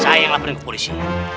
sayanglah pernah ke polisi